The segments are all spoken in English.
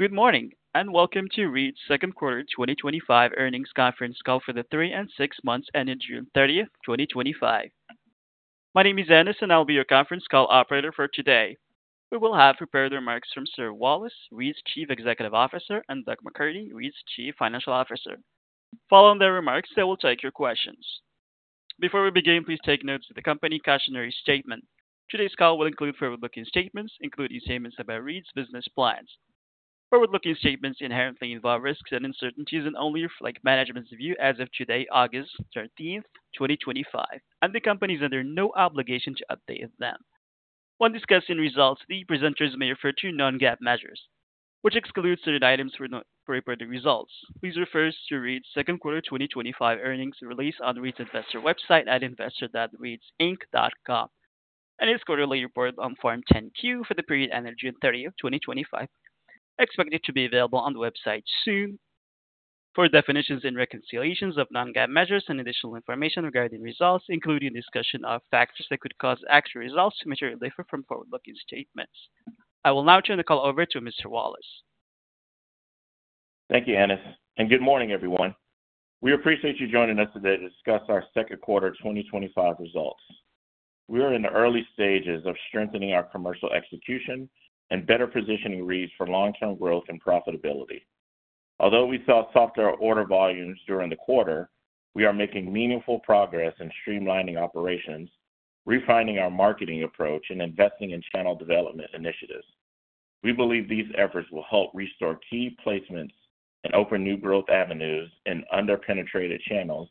Good morning and welcome to Reed's Second Quarter 2025 Earnings Conference Call for the three and six months ending June 30th, 2025. My name is Enes and I'll be your conference call Operator for today. We will have prepared remarks from Cyril Wallace, Reed's Chief Executive Officer, and Doug McCurdy, Reed's Chief Financial Officer. Following their remarks, they will take your questions. Before we begin, please take note of the company cautionary statement. Today's call will include forward-looking statements, including statements about Reed's business plans. Forward-looking statements inherently involve risks and uncertainties and only reflect management's view as of today, August 13th, 2025, and the company is under no obligation to update them. When discussing results, the presenters may refer to non-GAAP measures, which exclude certain items for reporting results. Please refer to Reed's second quarter 2025 earnings release on Reed's investor website at investor.reedsinc.com and its quarterly report on Form 10-Q for the period ending June 30th, 2025, expected to be available on the website soon. For definitions and reconciliations of non-GAAP measures and additional information regarding results, including discussion of factors that could cause actual results to differ from forward-looking statements. I will now turn the call over to Mr. Wallace. Thank you, Enes, and good morning everyone. We appreciate you joining us today to discuss our second quarter 2025 results. We are in the early stages of strengthening our commercial execution and better positioning Reed's for long-term growth and profitability. Although we saw softer order volumes during the quarter, we are making meaningful progress in streamlining operations, refining our marketing approach, and investing in channel development initiatives. We believe these efforts will help restore key placement and open new growth avenues in underpenetrated channels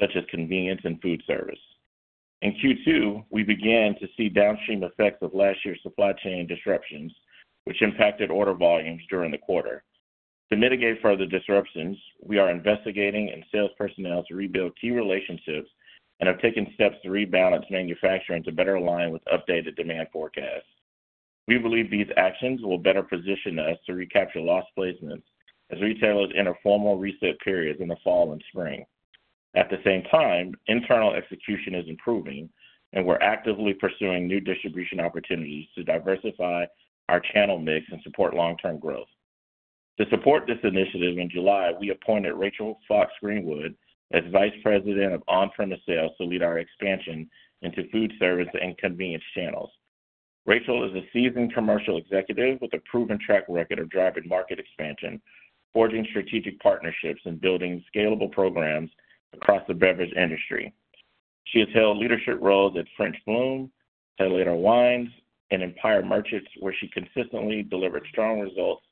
such as convenience and food service. In Q2, we began to see downstream effects of last year's supply chain disruptions, which impacted order volumes during the quarter. To mitigate further disruptions, we are investing in sales personnel to rebuild key relationships and have taken steps to rebalance manufacturing to better align with updated demand forecasts. We believe these actions will better position us to recapture lost placements as retailers enter formal reset periods in the fall and spring. At the same time, internal execution is improving and we're actively pursuing new distribution opportunities to diversify our channel mix and support long-term growth. To support this initiative, in July, we appointed Rachel Fox-Greenwood as Vice President of On-Premise Sales to lead our expansion into food service and convenience channels. Rachel is a seasoned commercial executive with a proven track record of driving market expansion, forging strategic partnerships, and building scalable programs across the beverage industry. She has held leadership roles at French Bloom, Terlato Wines, and Empire Markets, where she consistently delivered strong results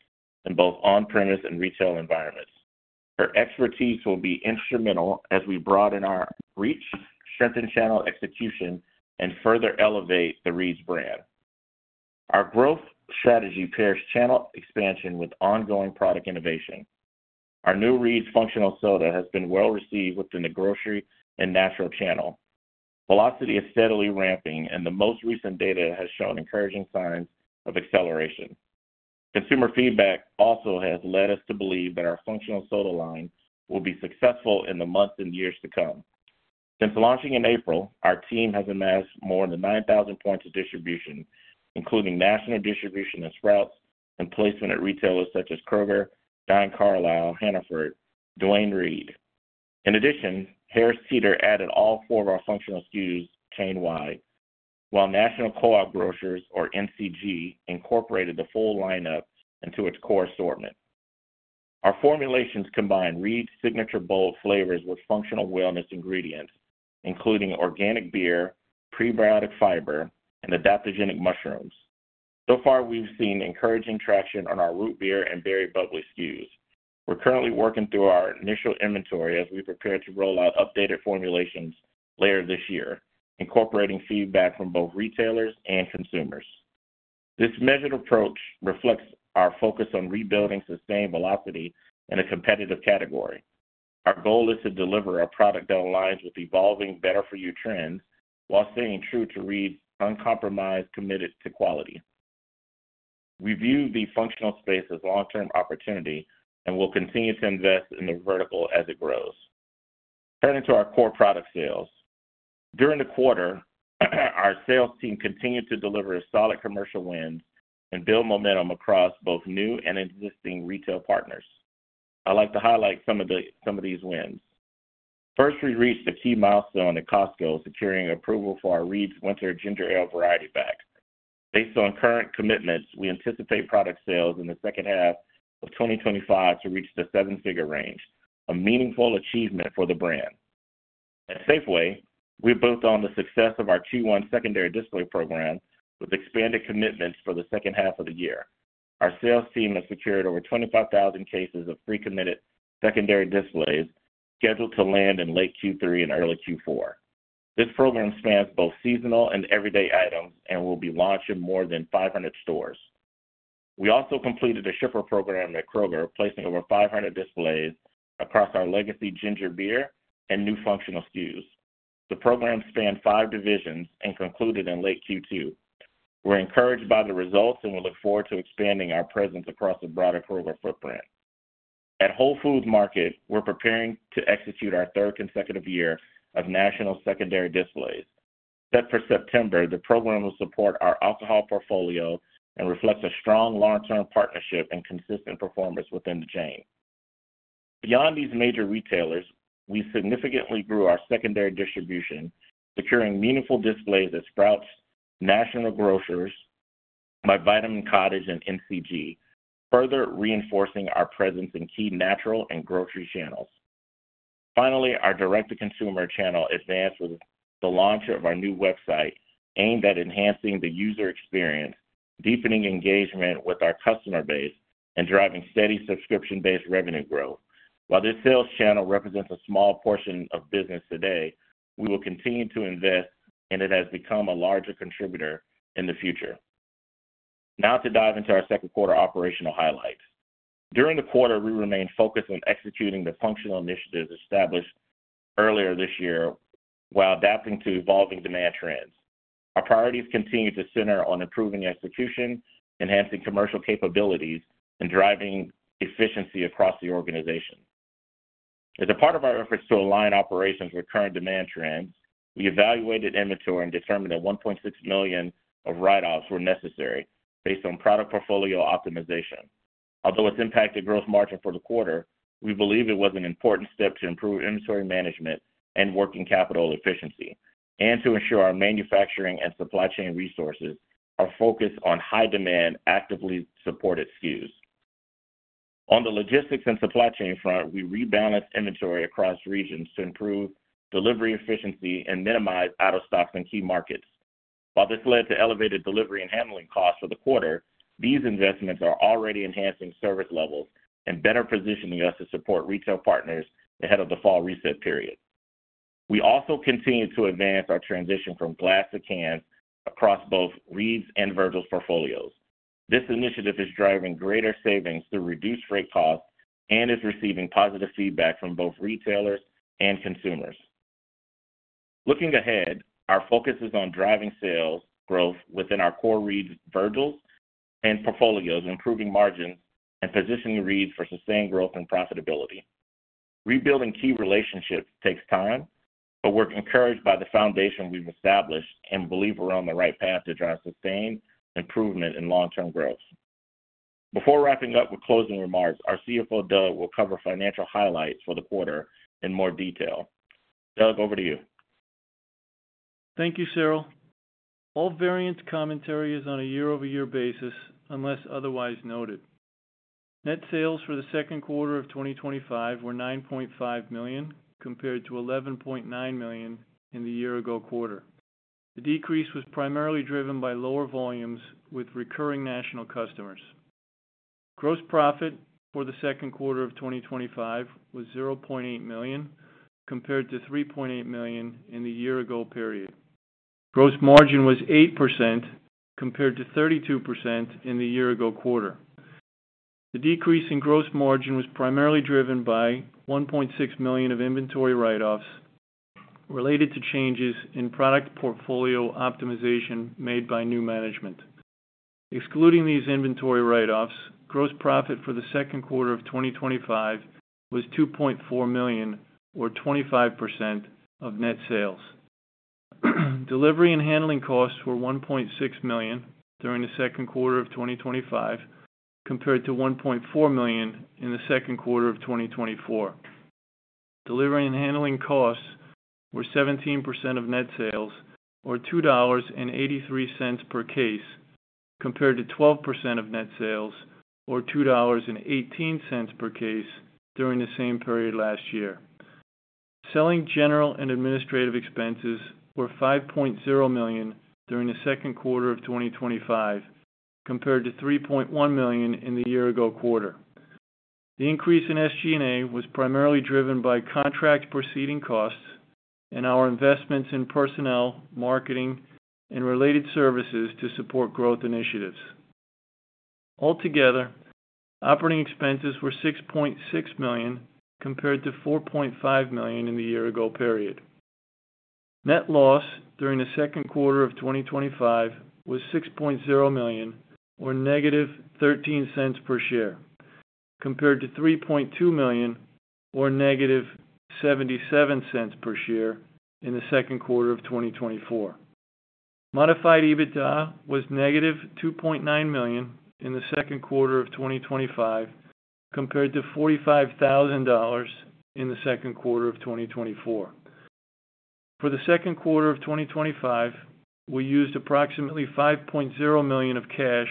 in both on-premise and retail environments. Her expertise will be instrumental as we broaden our reach, strengthen channel execution, and further elevate the Reed's brand. Our growth strategy pairs channel expansion with ongoing product innovation. Our new Reed's Functional Soda has been well received within the grocery and natural channel. Velocity is steadily ramping, and the most recent data has shown encouraging signs of acceleration. Consumer feedback also has led us to believe that our functional soda line will be successful in the months and years to come. Since launching in April, our team has amassed more than 9,000 points of distribution, including national distribution at Sprouts and placement at retailers such as Kroger, Giant-Carlisle, Hannaford, and Duane Reade. In addition, Harris Teeter added all four of our functional SKUs chain-wide, while National Co+op Grocers, or NCG, incorporated the full lineup into its core assortment. Our formulations combine Reed's signature bold flavors with functional wellness ingredients, including organic beer, prebiotic fiber, and adaptogenic mushrooms. So far, we've seen encouraging traction on our root beer and berry bubbly SKUs. We're currently working through our initial inventory as we prepare to roll out updated formulations later this year, incorporating feedback from both retailers and consumers. This measured approach reflects our focus on rebuilding sustained velocity in a competitive category. Our goal is to deliver a product that aligns with the evolving better-for-you trend while staying true to Reed's uncompromised commitment to quality. We view the functional space as a long-term opportunity and will continue to invest in the vertical as it grows. Turning to our core product sales, during the quarter, our sales team continued to deliver a solid commercial win and build momentum across both new and existing retail partners. I'd like to highlight some of these wins. First, we reached a key milestone at Costco, securing approval for our Reed's Winter Ginger Ale Variety Pack. Based on current commitments, we anticipate product sales in the second half of 2025 to reach the seven-figure range, a meaningful achievement for the brand. At Safeway, we built on the success of our Q1 secondary display program with expanded commitments for the second half of the year. Our sales team has secured over 25,000 cases of pre-committed secondary displays scheduled to land in late Q3 and early Q4. This program spans both seasonal and everyday items and will be launched in more than 500 stores. We also completed a shipper program at Kroger, placing over 500 displays across our legacy ginger beer and new functional SKUs. The program spanned five divisions and concluded in late Q2. We're encouraged by the results and will look forward to expanding our presence across a broader Kroger footprint. At Whole Foods Market, we're preparing to execute our third consecutive year of national secondary displays. Set for September, the program will support our alcohol portfolio and reflects a strong long-term partnership and consistent performance within the chain. Beyond these major retailers, we significantly grew our secondary distribution, securing meaningful displays at Sprouts, National Grocers by Vitamin Cottage, and NCG, further reinforcing our presence in key natural and grocery channels. Finally, our direct-to-consumer channel advanced with the launch of our new website, aimed at enhancing the user experience, deepening engagement with our customer base, and driving steady subscription-based revenue growth. While this sales channel represents a small portion of business today, we will continue to invest and it has become a larger contributor in the future. Now to dive into our second quarter operational highlights. During the quarter, we remained focused on executing the functional initiatives established earlier this year while adapting to evolving demand trends. Our priorities continue to center on improving execution, enhancing commercial capabilities, and driving efficiency across the organization. As a part of our efforts to align operations with current demand trends, we evaluated inventory and determined that $1.6 million of write-offs were necessary based on product portfolio optimization. Although it has impacted gross margin for the quarter, we believe it was an important step to improve inventory management and working capital efficiency and to ensure our manufacturing and supply chain resources are focused on high-demand, actively supported SKUs. On the logistics and supply chain front, we rebalanced inventory across regions to improve delivery efficiency and minimize out-of-stock in key markets. While this led to elevated delivery and handling costs for the quarter, these investments are already enhancing service levels and better positioning us to support retail partners ahead of the fall reset period. We also continue to advance our transition from glass to can across both Reed's and Virgil's portfolios. This initiative is driving greater savings through reduced freight costs and is receiving positive feedback from both retailers and consumers. Looking ahead, our focus is on driving sales growth within our core Reed's, Virgil's, and portfolios, improving margins, and positioning Reed's for sustained growth and profitability. Rebuilding key relationships takes time, but we're encouraged by the foundation we've established and believe we're on the right path to drive sustained improvement and long-term growth. Before wrapping up with closing remarks, our CFO, Doug McCurdy, will cover financial highlights for the quarter in more detail. Doug, over to you. Thank you, Cyril. All variance commentary is on a year-over-year basis unless otherwise noted. Net sales for the second quarter of 2025 were $9.5 million compared to $11.9 million in the year-ago quarter. The decrease was primarily driven by lower volumes with recurring national customers. Gross profit for the second quarter of 2025 was $0.8 million compared to $3.8 million in the year-ago period. Gross margin was 8% compared to 32% in the year-ago quarter. The decrease in gross margin was primarily driven by $1.6 million of inventory write-offs related to changes in product portfolio optimization made by new management. Excluding these inventory write-offs, gross profit for the second quarter of 2025 was $2.4 million, or 25% of net sales. Delivery and handling costs were $1.6 million during the second quarter of 2025 compared to $1.4 million in the second quarter of 2024. Delivery and handling costs were 17% of net sales, or $2.83 per case, compared to 12% of net sales, or $2.18 per case during the same period last year. Selling, general and administrative expenses were $5.0 million during the second quarter of 2025 compared to $3.1 million in the year-ago quarter. The increase in SG&A was primarily driven by contract processing costs and our investments in personnel, marketing, and related services to support growth initiatives. Altogether, operating expenses were $6.6 million compared to $4.5 million in the year-ago period. Net loss during the second quarter of 2025 was $6.0 million, or -$0.13 per share, compared to $3.2 million, or -$0.77 per share in the second quarter of 2024. Modified EBITDA was -$2.9 million in the second quarter of 2025, compared to $45,000 in the second quarter of 2024. For the second quarter of 2025, we used approximately $5.0 million of cash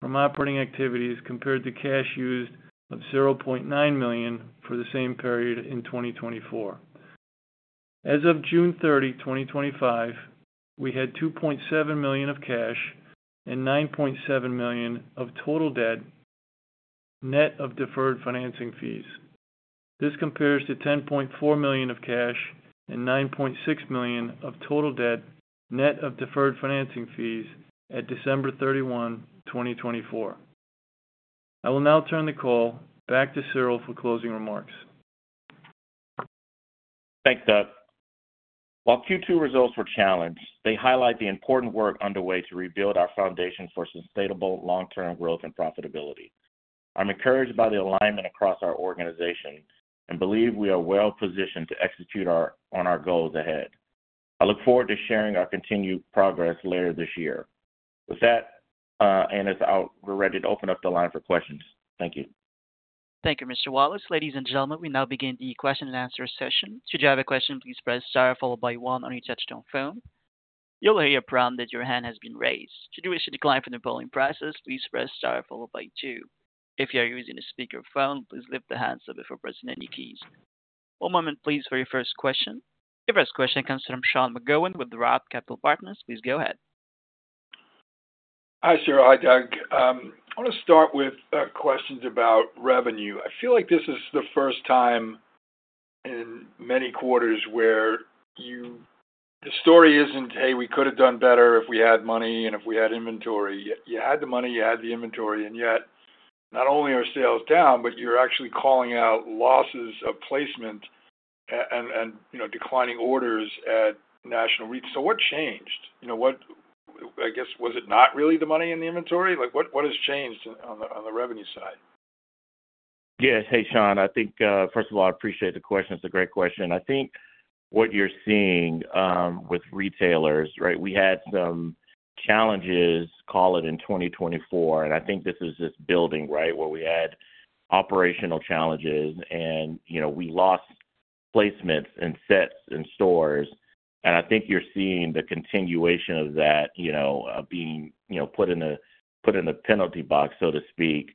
from operating activities, compared to cash used of $0.9 million for the same period in 2024. As of June 30, 2025, we had $2.7 million of cash and $9.7 million of total debt net of deferred financing fees. This compares to $10.4 million of cash and $9.6 million of total debt net of deferred financing fees at December 31, 2024. I will now turn the call back to Cyril for closing remarks. Thanks, Doug. While Q2 results were challenged, they highlight the important work underway to rebuild our foundation for sustainable long-term growth and profitability. I'm encouraged by the alignment across our organization and believe we are well positioned to execute on our goals ahead. I look forward to sharing our continued progress later this year. With that, Enes, we're ready to open up the line for questions. Thank you. Thank you, Mr. Wallace. Ladies and gentlemen, we now begin the question-and-answer session. Should you have a question, please press star followed by one on your touch-tone phone. You'll hear a prompt that your hand has been raised. Should you wish to decline from the polling process, please press star followed by two. If you are using a speakerphone, please lift the handset before pressing any keys. One moment, please, for your first question. Your first question comes from Sean McGowan with ROTH Capital Partners. Please go ahead. Hi Cyril, hi Doug. I want to start with questions about revenue. I feel like this is the first time in many quarters where the story isn't, "Hey, we could have done better if we had money and if we had inventory." You had the money, you had the inventory, and yet not only are sales down, but you're actually calling out losses of placement and declining orders at National Co+op Grocers. What changed? I guess was it not really the money and the inventory? What has changed on the revenue side? Yeah, hey Sean, I think first of all, I appreciate the question. It's a great question. I think what you're seeing with retailers, we had some challenges, call it in 2024, and I think this is just building, where we had operational challenges and we lost placements and sets and stores. I think you're seeing the continuation of that, being put in the penalty box, so to speak,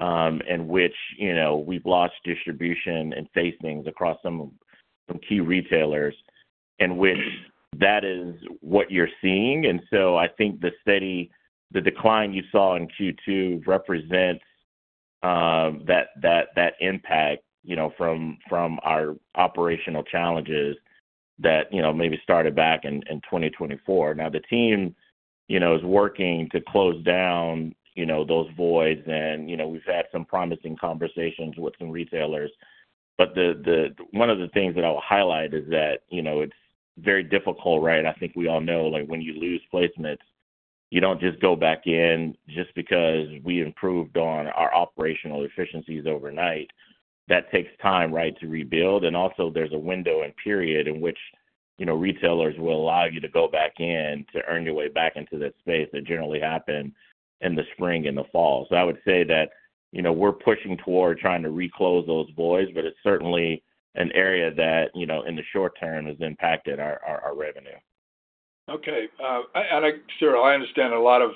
in which we've lost distribution and facings across some key retailers, in which that is what you're seeing. I think the steady decline you saw in Q2 represents that impact from our operational challenges that maybe started back in 2024. Now the team is working to close down those voids, and we've had some promising conversations with some retailers. One of the things that I will highlight is that it's very difficult, and I think we all know when you lose placements, you don't just go back in just because we improved on our operational efficiencies overnight. That takes time to rebuild. Also, there's a window and period in which retailers will allow you to go back in to earn your way back into that space that generally happen in the spring and the fall. I would say that we're pushing toward trying to reclose those voids, but it's certainly an area that in the short term has impacted our revenue. Okay. Cyril, I understand a lot of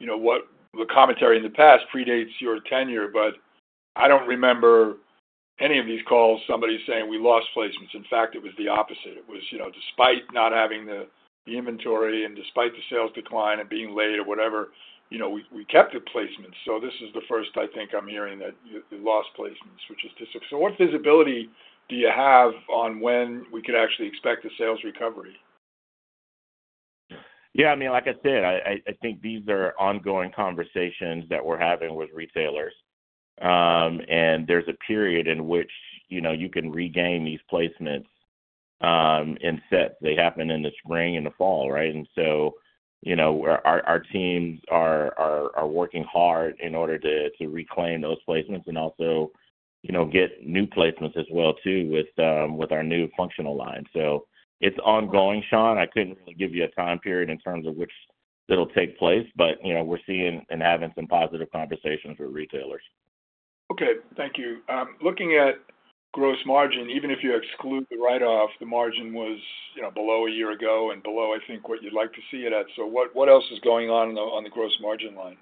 what the commentary in the past predates your tenure, but I don't remember any of these calls, somebody saying we lost placements. In fact, it was the opposite. It was, you know, despite not having the inventory and despite the sales decline and being late or whatever, we kept the placements. This is the first I think I'm hearing that you lost placements, which is disappointing. What visibility do you have on when we could actually expect a sales recovery? Yeah, I mean, like I said, I think these are ongoing conversations that we're having with retailers. There's a period in which you can regain these placements and set. They happen in the spring and the fall, right? Our teams are working hard in order to reclaim those placements and also get new placements as well with our new functional line. It's ongoing, Sean. I couldn't really give you a time period in terms of which it'll take place, but we're seeing an advent in positive conversations with retailers. Okay. Thank you. Looking at gross margin, even if you exclude the write-off, the margin was below a year ago and below, I think, what you'd like to see it at. What else is going on on the gross margin line?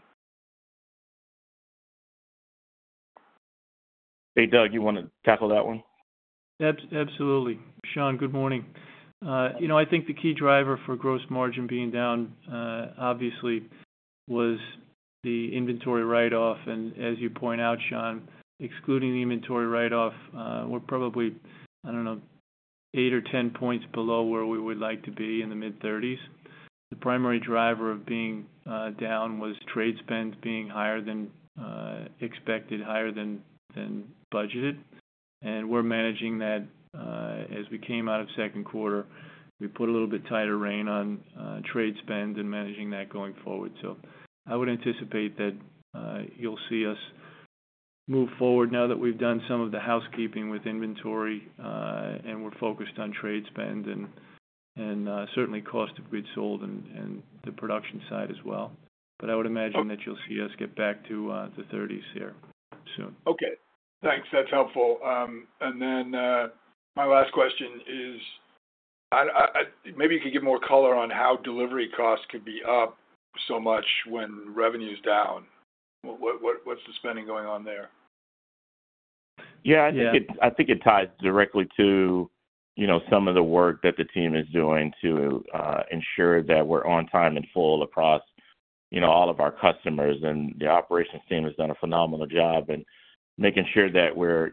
Hey Doug, you want to tackle that one? Absolutely. Sean, good morning. I think the key driver for gross margin being down, obviously, was the inventory write-off. As you point out, Sean, excluding the inventory write-off, we're probably, I don't know, 8 or 10 points below where we would like to be in the mid-30s. The primary driver of being down was trade spend being higher than expected, higher than budgeted. We're managing that. As we came out of second quarter, we put a little bit tighter rein on trade spend and managing that going forward. I would anticipate that you'll see us move forward now that we've done some of the housekeeping with inventory, and we're focused on trade spend and certainly cost of goods sold and the production side as well. I would imagine that you'll see us get back to the 30s here soon. Okay. Thanks. That's helpful. My last question is, I don't know, maybe you could give more color on how delivery costs could be up so much when revenue is down. What, what's the spending going on there? I think it ties directly to some of the work that the team is doing to ensure that we're on time and full across all of our customers. The operations team has done a phenomenal job in making sure that we're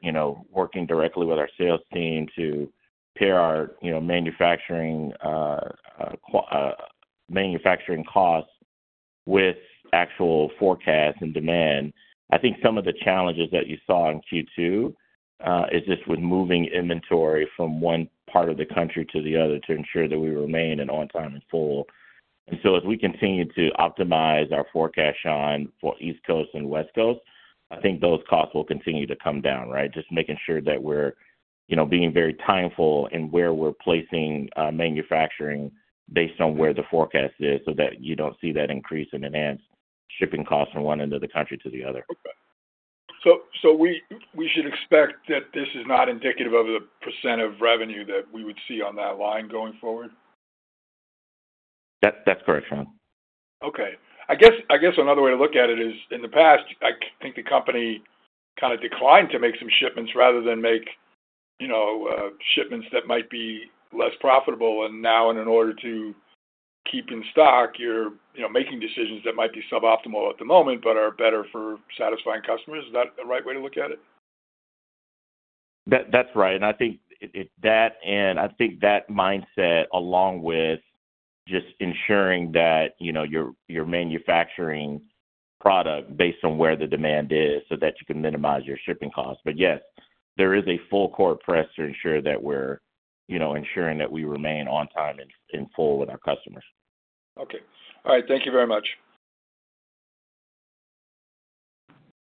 working directly with our sales team to pair our manufacturing costs with actual forecasts and demand. I think some of the challenges that you saw in Q2 is just with moving inventory from one part of the country to the other to ensure that we remain on time and full. As we continue to optimize our forecast, Sean, for East Coast and West Coast, I think those costs will continue to come down, right? Just making sure that we're being very timeful in where we're placing manufacturing based on where the forecast is so that you don't see that increase in enhanced shipping costs from one end of the country to the other. Okay. We should expect that this is not indicative of the percent of revenue that we would see on that line going forward? That's correct, Sean. Okay. I guess another way to look at it is in the past, I think the company kind of declined to make some shipments rather than make, you know, shipments that might be less profitable. Now, in order to keep in stock, you're, you know, making decisions that might be suboptimal at the moment, but are better for satisfying customers. Is that the right way to look at it? That's right. I think that mindset, along with just ensuring that, you know, you're manufacturing product based on where the demand is so that you can minimize your shipping costs, is important. Yes, there is a full core press to ensure that we're, you know, ensuring that we remain on time and full with our customers. Okay. All right. Thank you very much.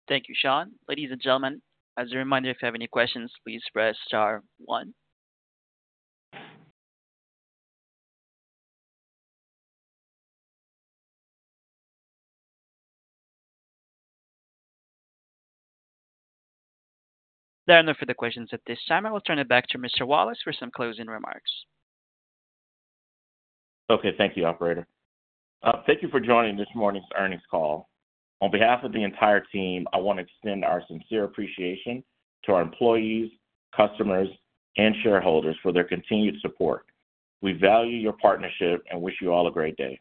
Thank you, Sean. Ladies and gentlemen, as a reminder, if you have any questions, please press star one. There are no further questions at this time. I will turn it back to Mr. Wallace for some closing remarks. Okay. Thank you, operator. Thank you for joining this morning's earnings call. On behalf of the entire team, I want to extend our sincere appreciation to our employees, customers, and shareholders for their continued support. We value your partnership and wish you all a great day.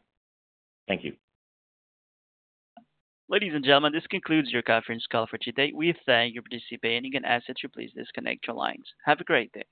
Thank you. Ladies and gentlemen, this concludes your conference call for today. We thank you for participating in our session. Please disconnect your lines. Have a great day.